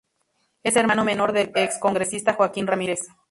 Es hermano menor del excongresista Joaquín Ramírez.